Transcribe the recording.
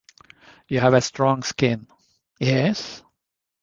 You have a strong skin — yes?